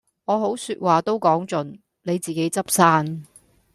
我好說話都講盡，你自己執生